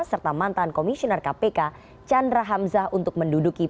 serta mantan komisioner kpk chandra hamzah untuk menduduki